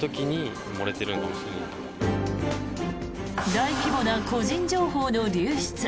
大規模な個人情報の流出。